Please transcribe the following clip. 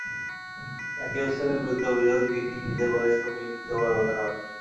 জাকির হোসেনের বিরুদ্ধে অভিযোগ, তিনি নিজের বয়স কমিয়ে দ্বিতীয়বার ভোটার হন।